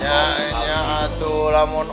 ya itu lah